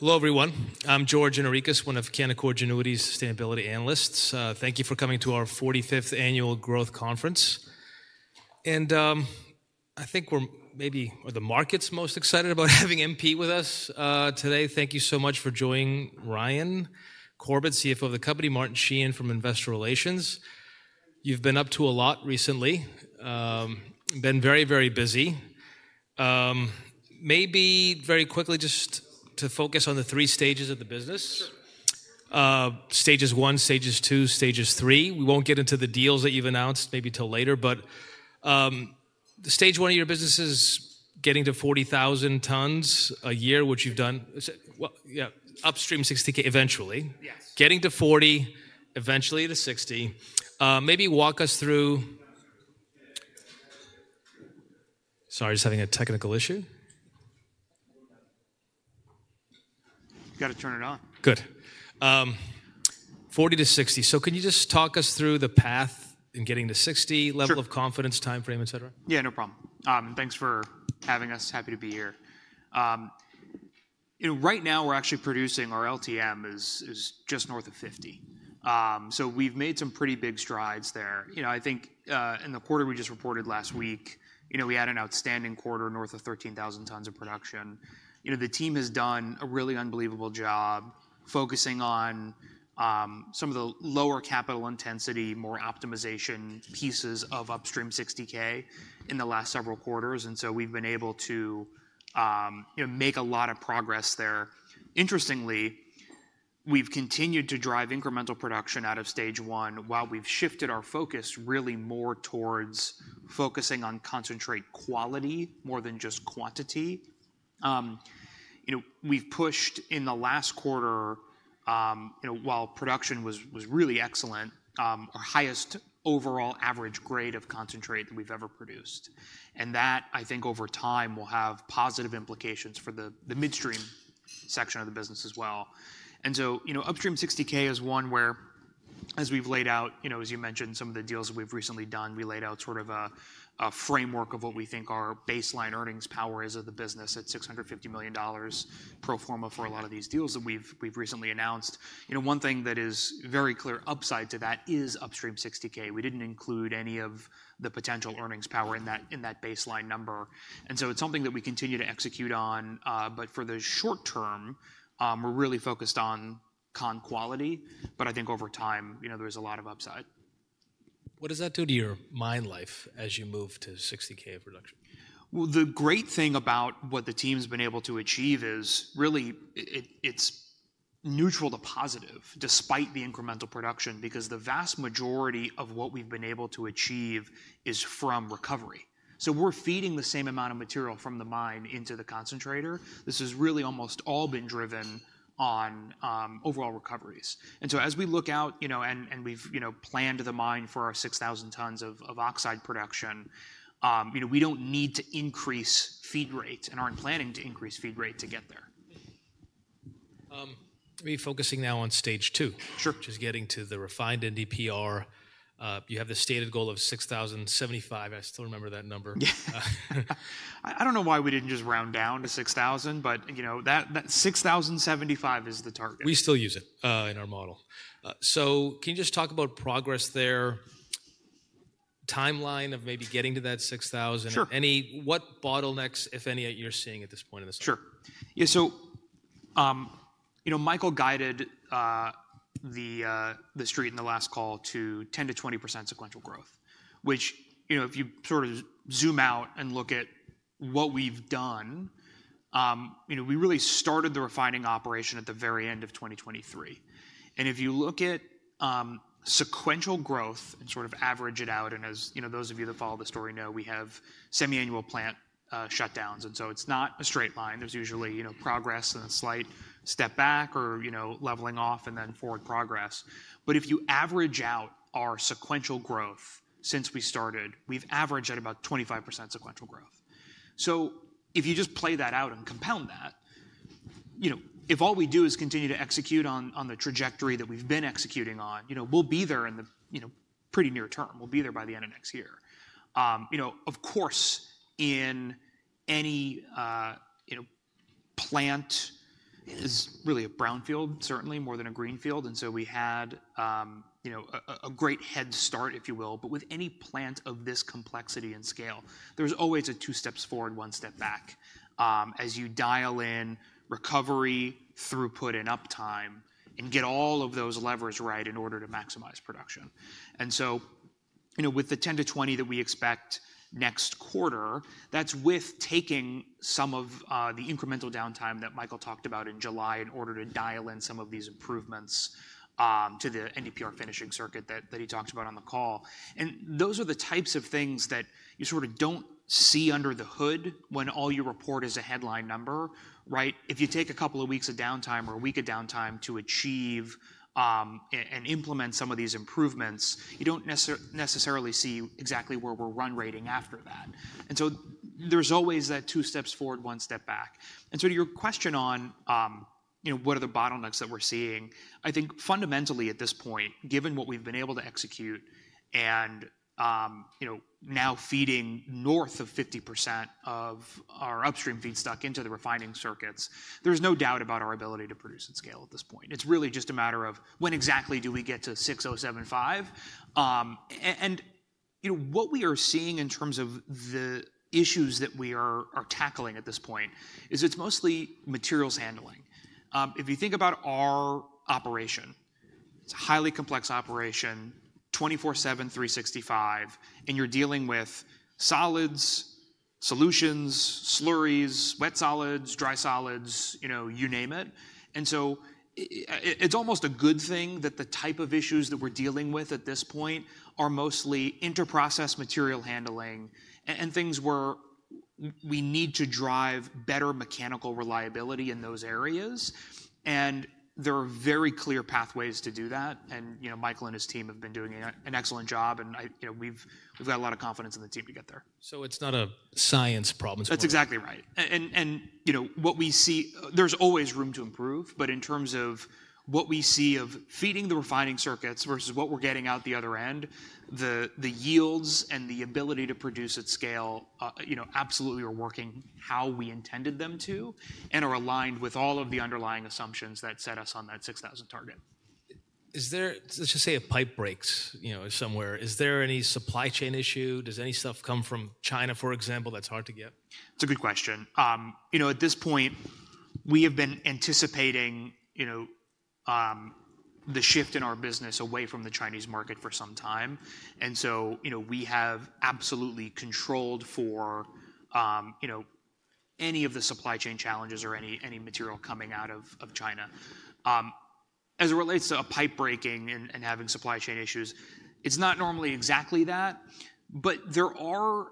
Hello, everyone. I'm George Gianarikas, one of Canaccord Genuity's Sustainability Analysts. Thank you for coming to our 45th Annual Growth Conference. I think we're maybe the market's most excited about having MP with us today. Thank you so much for joining, Ryan Corbett, CFO of the company, and Martin Sheehan from Investor Relations. You've been up to a lot recently. You've been very, very busy. Maybe very quickly, just to focus on the three stages of the business: Stage I, Stage II, and Stage III. We won't get into the deals that you've announced maybe till later, but Stage I of your business is getting to 40,000 tons a year, which you've done. Upstream 60,000 eventually. Getting to 40,000, eventually to 60,000. Maybe walk us through. Sorry, just having a technical issue. Got to turn it on. Good. 40,000-60,000. Can you just talk us through the path in getting to 60,000 level of confidence, timeframe, etc.? Yeah, no problem. Thanks for having us. Happy to be here. Right now we're actually producing, our LTM is just north of 50,000. We've made some pretty big strides there. I think in the quarter we just reported last week, we had an outstanding quarter north of 13,000 tons of production. The team has done a really unbelievable job focusing on some of the lower capital intensity, more optimization pieces of upstream 60,000 in the last several quarters, and we've been able to make a lot of progress there. Interestingly, we've continued to drive incremental production out of Stage I while we've shifted our focus really more towards focusing on concentrate quality more than just quantity. We've pushed in the last quarter, while production was really excellent, our highest overall average grade of concentrate that we've ever produced. That, I think, over time will have positive implications for the midstream section of the business as well. Upstream 60,000 is one where, as we've laid out, as you mentioned, some of the deals that we've recently done, we laid out sort of a framework of what we think our baseline earnings power is of the business at $650 million pro forma for a lot of these deals that we've recently announced. One thing that is very clear upside to that is upstream 60,000. We didn't include any of the potential earnings power in that baseline number. It's something that we continue to execute on. For the short-term, we're really focused on quality. I think over time, there's a lot of upside. What does that do to your mine life as you move to 60,000 production? The great thing about what the team's been able to achieve is really it's neutral to positive despite the incremental production, because the vast majority of what we've been able to achieve is from recovery. We're feeding the same amount of material from the mine into the concentrator. This has really almost all been driven on overall recoveries. As we look out, and we've planned the mine for our 6,000 tons of oxide production, we don't need to increase feed rate and aren't planning to increase feed rate to get there. Maybe focusing now on Stage II, which is getting to the refined NdPr. You have the stated goal of 6,075. I still remember that number. Yeah, I don't know why we didn't just round down to 6,000, but you know that 6,075 is the target. We still use it in our model. Can you just talk about progress there, timeline of maybe getting to that 6,000? What bottlenecks, if any, are you seeing at this point in the story? Sure. Yeah. Michael guided the street in the last call to 10%-20% sequential growth, which, if you sort of zoom out and look at what we've done, we really started the refining operation at the very end of 2023. If you look at sequential growth and sort of average it out, as those of you that follow the story know, we have semiannual plant shutdowns. It's not a straight line. There's usually progress and a slight step back or leveling off and then forward progress. If you average out our sequential growth since we started, we've averaged at about 25% sequential growth. If you just play that out and compound that, if all we do is continue to execute on the trajectory that we've been executing on, we'll be there in the pretty near-term. We'll be there by the end of next year. Of course, any plant is really a brownfield, certainly more than a greenfield. We had a great head start, if you will. With any plant of this complexity and scale, there's always a two steps forward, one step back as you dial in recovery, throughput, and uptime and get all of those levers right in order to maximize production. With the 10%-20% that we expect next quarter, that's with taking some of the incremental downtime that Michael talked about in July in order to dial in some of these improvements to the NdPr finishing circuit that he talked about on the call. Those are the types of things that you sort of don't see under the hood when all you report is a headline number, right? If you take a couple of weeks of downtime or a week of downtime to achieve and implement some of these improvements, you don't necessarily see exactly where we're run rating after that. There's always that two steps forward, one step back. To your question on what are the bottlenecks that we're seeing, I think fundamentally at this point, given what we've been able to execute and now feeding north of 50% of our upstream feedstock into the refining circuits, there's no doubt about our ability to produce at scale at this point. It's really just a matter of when exactly do we get to 6,075? What we are seeing in terms of the issues that we are tackling at this point is it's mostly materials handling. If you think about our operation, it's a highly complex operation, 24/7, 365, and you're dealing with solids, solutions, slurries, wet solids, dry solids, you name it. It's almost a good thing that the type of issues that we're dealing with at this point are mostly interprocess material handling and things where we need to drive better mechanical reliability in those areas. There are very clear pathways to do that. Michael and his team have been doing an excellent job. We've got a lot of confidence in the team to get there. It is not a science problem. That's exactly right. You know, what we see, there's always room to improve. In terms of what we see of feeding the refining circuits versus what we're getting out the other end, the yields and the ability to produce at scale absolutely are working how we intended them to and are aligned with all of the underlying assumptions that set us on that 6,000 target. Let's just say a pipe breaks somewhere. Is there any supply chain issue? Does any stuff come from China, for example, that's hard to get? It's a good question. At this point, we have been anticipating the shift in our business away from the Chinese market for some time. We have absolutely controlled for any of the supply chain challenges or any material coming out of China. As it relates to a pipe breaking and having supply chain issues, it's not normally exactly that. There are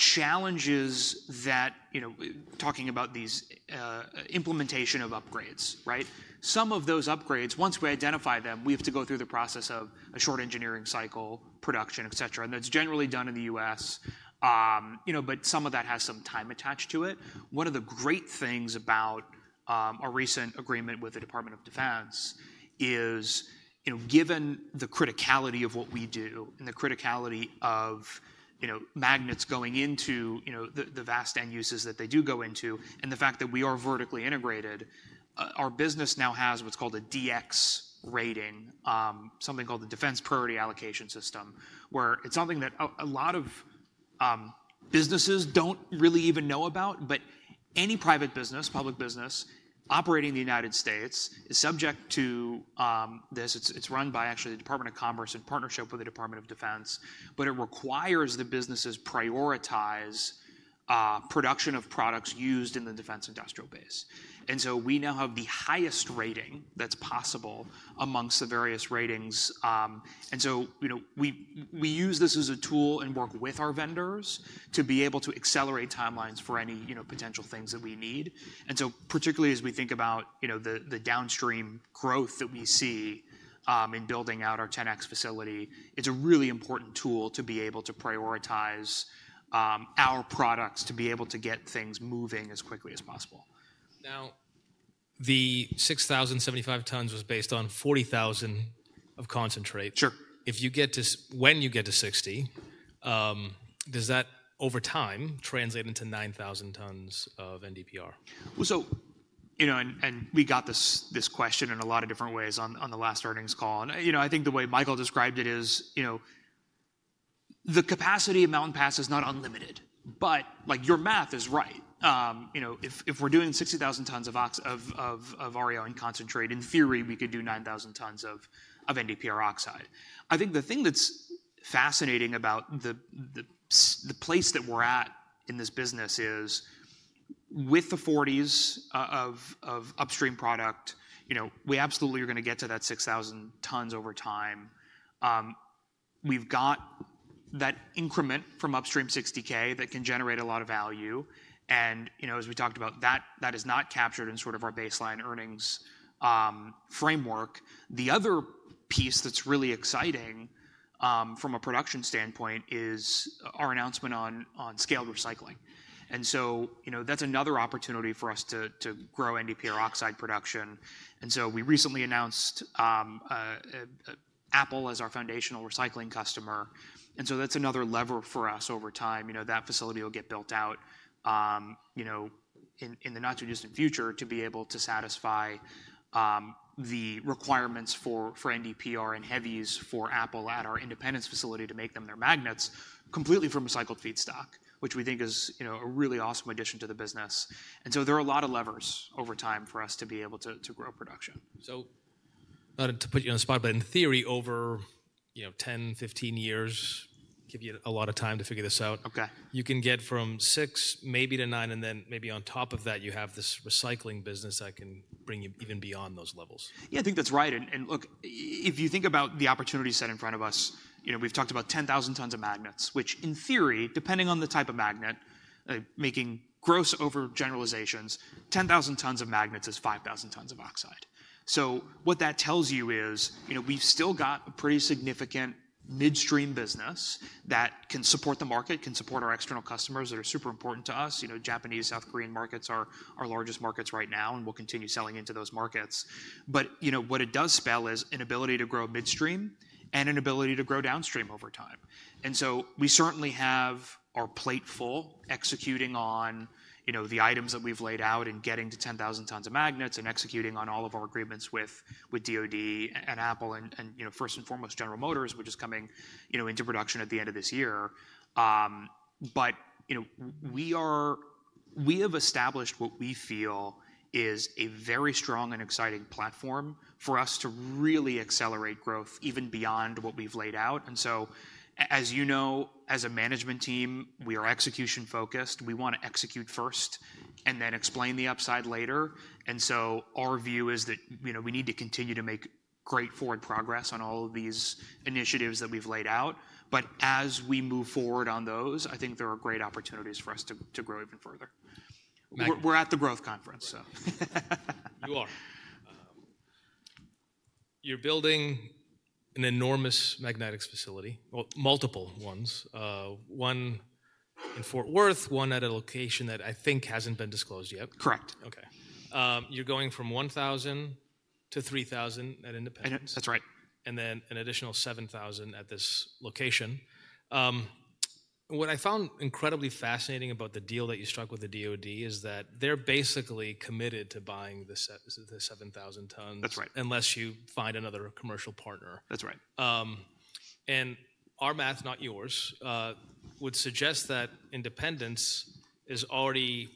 challenges that, talking about these implementation of upgrades, right? Some of those upgrades, once we identify them, we have to go through the process of a short engineering cycle, production, etc. That's generally done in the U.S., but some of that has some time attached to it. One of the great things about our recent agreement with the Department of Defense is, given the criticality of what we do and the criticality of magnets going into the vast end uses that they do go into and the fact that we are vertically integrated, our business now has what's called a DX rating, something called the Defense Priorities and Allocations System, where it's something that a lot of businesses don't really even know about. Any private business, public business operating in the United States is subject to this. It's run by the Department of Commerce in partnership with the Department of Defense. It requires the businesses prioritize production of products used in the defense industrial base. We now have the highest rating that's possible amongst the various ratings. We use this as a tool and work with our vendors to be able to accelerate timelines for any potential things that we need. Particularly as we think about the downstream growth that we see in building out our 10X Facility, it's a really important tool to be able to prioritize our products to be able to get things moving as quickly as possible. Now, the 6,075 tons was based on 40,000 of concentrate. Sure. If you get to, when you get to 60,000, does that over time translate into 9,000 tons of NdPr? You know, we got this question in a lot of different ways on the last earnings call. I think the way Michael described it is, the capacity of Mountain Pass is not unlimited, but your math is right. If we're doing 60,000 tons of REO in concentrate, in theory, we could do 9,000 tons of NdPr oxide. I think the thing that's fascinating about the place that we're at in this business is with the 40s of upstream product, we absolutely are going to get to that 6,000 tons over time. We've got that increment from upstream 60,000 that can generate a lot of value. As we talked about, that is not captured in our baseline earnings framework. The other piece that's really exciting from a production standpoint is our announcement on scaled recycling. That's another opportunity for us to grow NdPr oxide production. We recently announced Apple as our foundational recycling customer. That's another lever for us over time. That facility will get built out in the not too distant future to be able to satisfy the requirements for NdPr and heavies for Apple at our Independence facility to make them their magnets completely from recycled feedstock, which we think is a really awesome addition to the business. There are a lot of levers over time for us to be able to grow production. Not to put you on the spot, but in theory, over, you know, 10, 15 years, give you a lot of time to figure this out. Okay. You can get from [6,000], maybe to [9,000], and then maybe on top of that, you have this recycling business that can bring you even beyond those levels. Yeah, I think that's right. If you think about the opportunity set in front of us, we've talked about 10,000 tons of magnets, which in theory, depending on the type of magnet, making gross over generalizations, 10,000 tons of magnets is 5,000 tons of oxide. What that tells you is we've still got a pretty significant midstream business that can support the market, can support our external customers that are super important to us. Japanese, South Korean markets are our largest markets right now, and we'll continue selling into those markets. What it does spell is an ability to grow midstream and an ability to grow downstream over time. We certainly have our plate full executing on the items that we've laid out and getting to 10,000 tons of magnets and executing on all of our agreements with the DoD and Apple and, first and foremost, General Motors, which is coming into production at the end of this year. We have established what we feel is a very strong and exciting platform for us to really accelerate growth even beyond what we've laid out. As a management team, we are execution-focused. We want to execute first and then explain the upside later. Our view is that we need to continue to make great forward progress on all of these initiatives that we've laid out. As we move forward on those, I think there are great opportunities for us to grow even further. We're at the Growth Conference, so. You're building an enormous magnetics facility, multiple ones. One in Fort Worth, one at a location that I think hasn't been disclosed yet. Correct. Okay, you're going from 1,000 to 3,000 at Independence. That's right. There is an additional 7,000 at this location. What I found incredibly fascinating about the deal that you struck with the DoD is that they're basically committed to buying the 7,000 tons. That's right. Unless you find another commercial partner. That's right. Our math, not yours, would suggest that Independence is already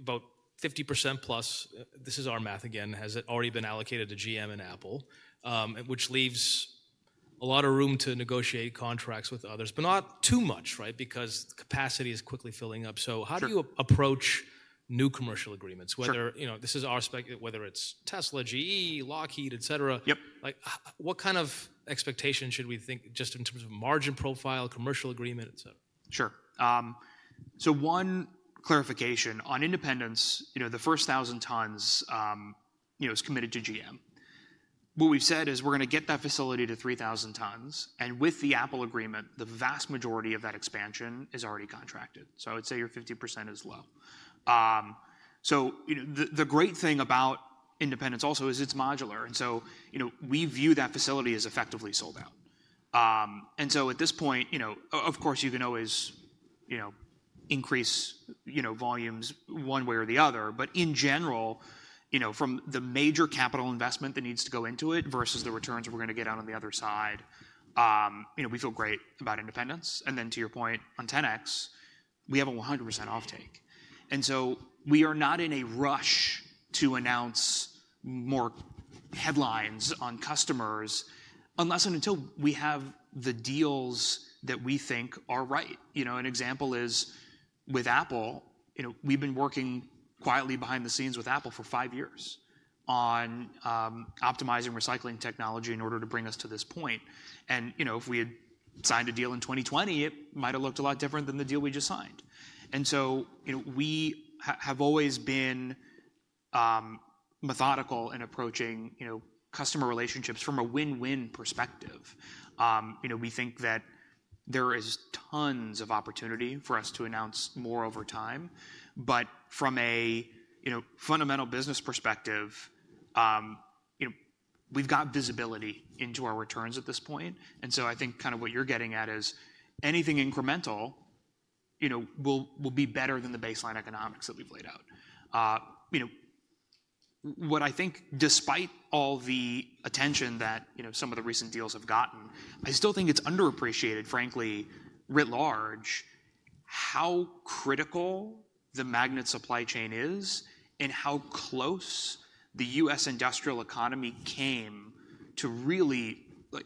about 50%+. This is our math again. Has it already been allocated to GM and Apple, which leaves a lot of room to negotiate contracts with others, but not too much, right? The capacity is quickly filling up. How do you approach new commercial agreements, whether, you know, this is our spec, whether it's Tesla, GE, Lockheed, etc.? Yep. Like, what kind of expectations should we think just in terms of margin profile, commercial agreement, etc.? Sure. One clarification on Independence, the first 1,000 tons is committed to GM. What we've said is we're going to get that facility to 3,000 tons, and with the Apple agreement, the vast majority of that expansion is already contracted. I would say your 50% is low. The great thing about Independence also is it's modular, and we view that facility as effectively sold out. At this point, of course, you can always increase volumes one way or the other, but in general, from the major capital investment that needs to go into it versus the returns we're going to get out on the other side, we feel great about Independence. To your point on 10X, we have a 100% offtake. We are not in a rush to announce more headlines on customers unless and until we have the deals that we think are right. An example is with Apple. We've been working quietly behind the scenes with Apple for five years on optimizing recycling technology in order to bring us to this point. If we had signed a deal in 2020, it might have looked a lot different than the deal we just signed. We have always been methodical in approaching customer relationships from a win-win perspective. We think that there are tons of opportunity for us to announce more over time, but from a fundamental business perspective, we've got visibility into our returns at this point. I think what you're getting at is anything incremental will be better than the baseline economics that we've laid out. Despite all the attention that some of the recent deals have gotten, I still think it's underappreciated, frankly, writ large, how critical the magnet supply chain is and how close the U.S. industrial economy came to really, like,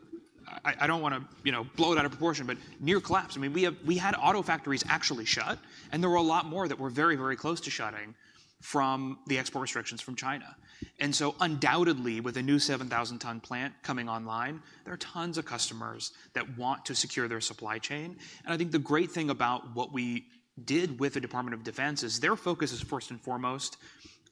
I don't want to blow it out of proportion, but near collapse. We had auto factories actually shut, and there were a lot more that were very, very close to shutting from the export restrictions from China. Undoubtedly, with a new 7,000-ton plant coming online, there are tons of customers that want to secure their supply chain. The great thing about what we did with the Department of Defense is their focus is first and foremost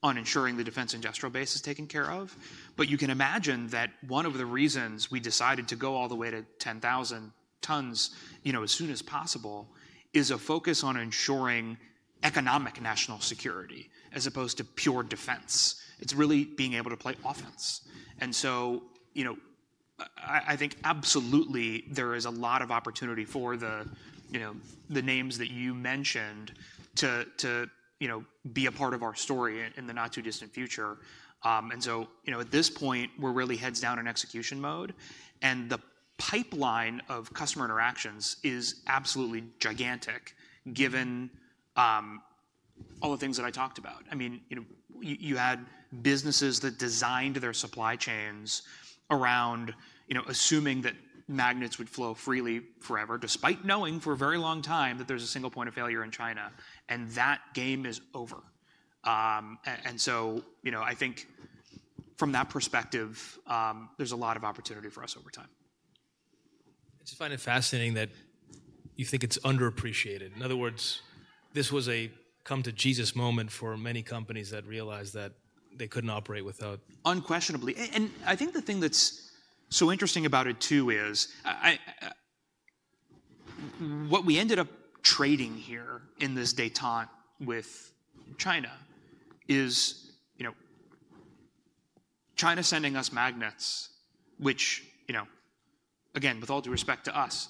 on ensuring the defense industrial base is taken care of. You can imagine that one of the reasons we decided to go all the way to 10,000 tons as soon as possible is a focus on ensuring economic national security as opposed to pure defense. It's really being able to play offense. I think absolutely there is a lot of opportunity for the names that you mentioned to be a part of our story in the not too distant future. At this point, we're really heads down in execution mode. The pipeline of customer interactions is absolutely gigantic given all the things that I talked about. Businesses designed their supply chains around assuming that magnets would flow freely forever, despite knowing for a very long time that there's a single point of failure in China, and that game is over. I think from that perspective, there's a lot of opportunity for us over time. I just find it fascinating that you think it's underappreciated. In other words, this was a come-to-Jesus moment for many companies that realized that they couldn't operate without. Unquestionably. I think the thing that's so interesting about it too is what we ended up trading here in this détente with China is, you know, China sending us magnets, which, you know, again, with all due respect to us,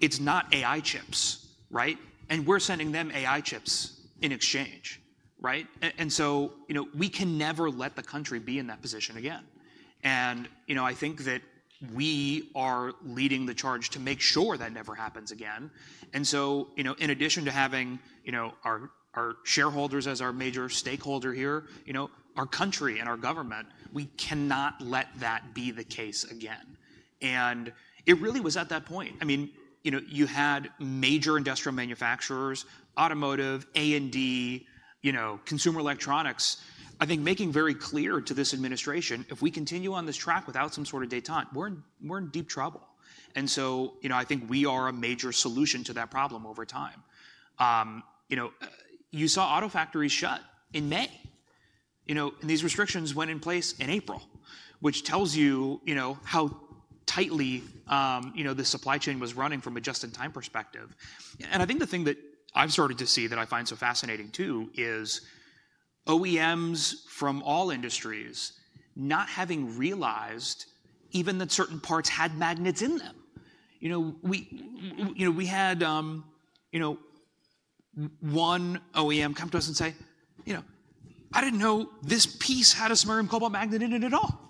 it's not AI chips, right? We're sending them AI chips in exchange, right? We can never let the country be in that position again. I think that we are leading the charge to make sure that never happens again. In addition to having our shareholders as our major stakeholder here, our country and our government, we cannot let that be the case again. It really was at that point. I mean, you had major industrial manufacturers, automotive, A&D, consumer electronics, I think making very clear to this administration, if we continue on this track without some sort of détente, we're in deep trouble. I think we are a major solution to that problem over time. You saw auto factories shut in May, and these restrictions went in place in April, which tells you how tightly the supply chain was running from a just-in-time perspective. I think the thing that I've started to see that I find so fascinating too is OEMs from all industries not having realized even that certain parts had magnets in them. We had one OEM come to us and say, I didn't know this piece had a samarium cobalt magnet in it at all.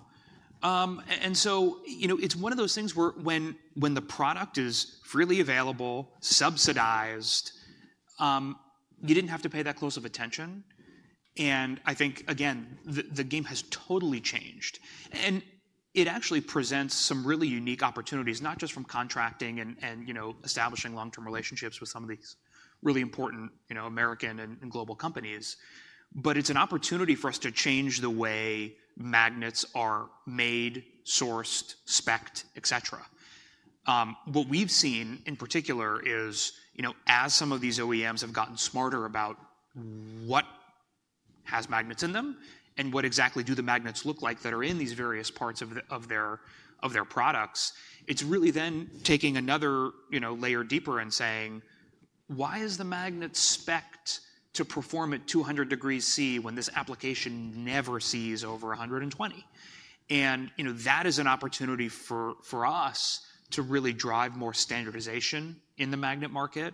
It's one of those things where when the product is freely available, subsidized, you didn't have to pay that close of attention. I think, again, the game has totally changed. It actually presents some really unique opportunities, not just from contracting and establishing long-term relationships with some of these really important American and global companies, but it's an opportunity for us to change the way magnets are made, sourced, specced, etc. What we've seen in particular is as some of these OEMs have gotten smarter about what has magnets in them and what exactly do the magnets look like that are in these various parts of their products, it's really then taking another layer deeper and saying, why is the magnet specced to perform at 200 degrees C when this application never sees over 120? That is an opportunity for us to really drive more standardization in the magnet market.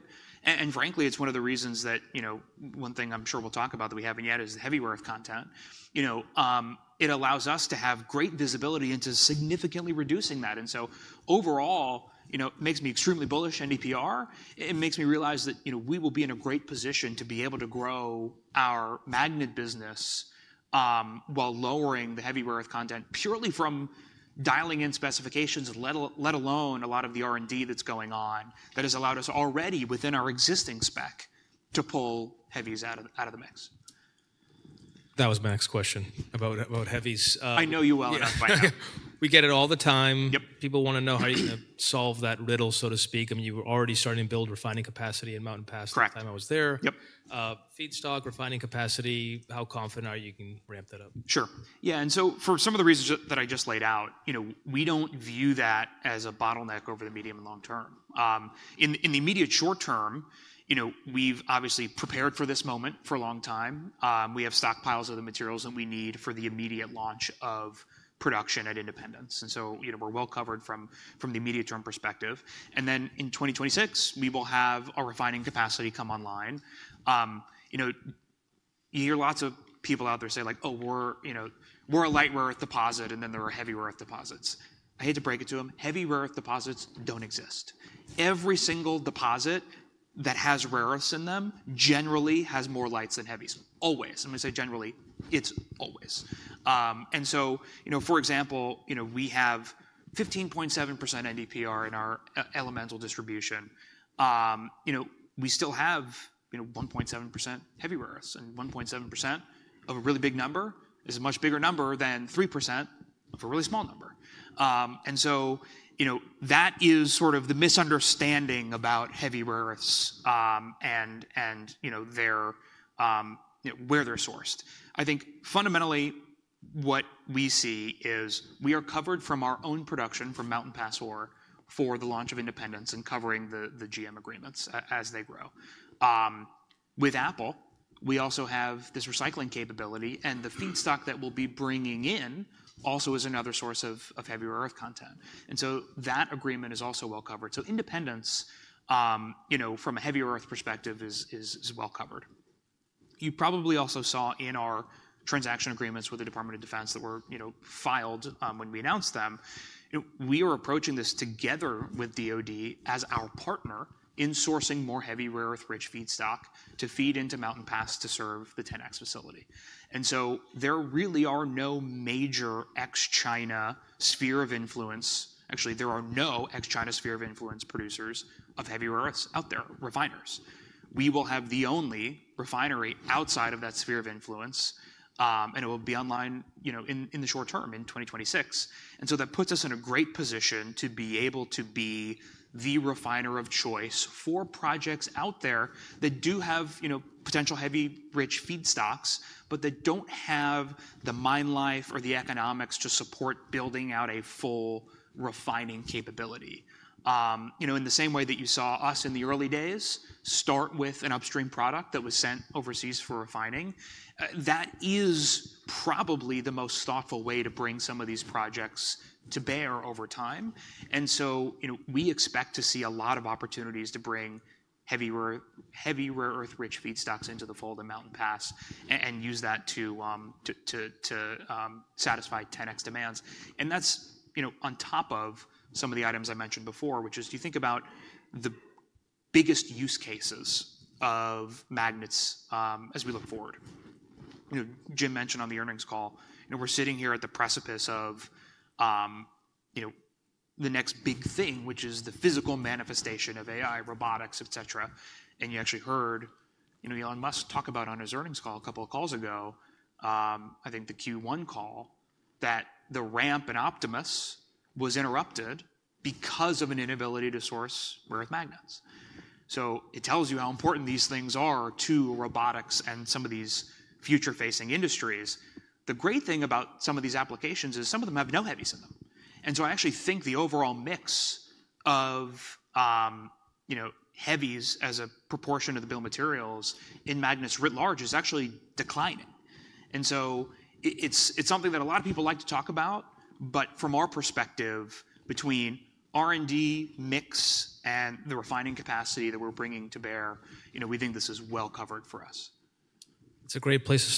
Frankly, it's one of the reasons that, you know, one thing I'm sure we'll talk about that we haven't yet is heavy rare earth content. It allows us to have great visibility into significantly reducing that. Overall, it makes me extremely bullish NdPr. It makes me realize that, you know, we will be in a great position to be able to grow our magnet business while lowering the heavy rare earth content purely from dialing in specifications, let alone a lot of the R&D that's going on that has allowed us already within our existing spec to pull heavies out of the mix. That was my next question about heavies. I know you well enough by now. We get it all the time. Yep. People want to know how you're going to solve that riddle, so to speak. I mean, you were already starting to build refining capacity in Mountain Pass by the time I was there. Correct. Yep. Feedstock, refining capacity, how confident are you you can ramp that up? Sure. For some of the reasons that I just laid out, we don't view that as a bottleneck over the medium and long-term. In the immediate short-term, we've obviously prepared for this moment for a long time. We have stockpiles of the materials that we need for the immediate launch of production at Independence. We're well-covered from the immediate term perspective. In 2026, we will have a refining capacity come online. You hear lots of people out there say like, oh, we're a light rare earth deposit and then there are heavy rare earth deposits. I hate to break it to them. Heavy rare earth deposits don't exist. Every single deposit that has rare earths in them generally has more lights than heavies. Always. When we say generally, it's always. For example, we have 15.7% NdPr in our elemental distribution. We still have 1.7% heavy rare earths. 1.7% of a really big number is a much bigger number than 3% of a really small number. That is sort of the misunderstanding about heavy rare earths and where they're sourced. Fundamentally what we see is we are covered from our own production from Mountain Pass for the launch of Independence and covering the GM agreements as they grow. With Apple, we also have this recycling capability and the feedstock that we'll be bringing in also is another source of heavy rare earth content. That agreement is also well-covered. Independence, from a heavy rare earth perspective, is well-covered. You probably also saw in our transaction agreements with the Department of Defense that were filed when we announced them. We are approaching this together with the DoD as our partner in sourcing more heavy rare earth-rich feedstock to feed into Mountain Pass to serve the 10X Facility. There really are no major ex-China sphere of influence. Actually, there are no ex-China sphere of influence producers of heavy rare earths out there, refiners. We will have the only refinery outside of that sphere of influence, and it will be online in the short-term in 2026. That puts us in a great position to be able to be the refiner of choice for projects out there that do have potential heavy rich feedstocks, but that don't have the mine life or the economics to support building out a full refining capability. In the same way that you saw us in the early days start with an upstream product that was sent overseas for refining, that is probably the most thoughtful way to bring some of these projects to bear over time. We expect to see a lot of opportunities to bring heavy rare earth-rich feedstocks into the fold of Mountain Pass and use that to satisfy 10X demands. That's on top of some of the items I mentioned before, which is you think about the biggest use cases of magnets as we look forward. Jim mentioned on the earnings call, we're sitting here at the precipice of the next big thing, which is the physical manifestation of AI, robotics, etc. You actually heard Elon Musk talk about on his earnings call a couple of calls ago, I think the Q1 call, that the ramp in Optimus was interrupted because of an inability to source rare earth magnets. It tells you how important these things are to robotics and some of these future-facing industries. The great thing about some of these applications is some of them have no heavies in them. I actually think the overall mix of heavies as a proportion of the bill of materials in magnets writ large is actually declining. It's something that a lot of people like to talk about, but from our perspective, between R&D mix and the refining capacity that we're bringing to bear, we think this is well-covered for us. It's a great place.